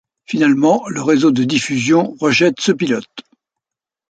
Finalement, le réseau de diffusion rejette ce pilote.